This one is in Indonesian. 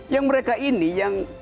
yang mereka ini yang